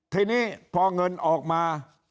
ทีนี้พอเงินออกมา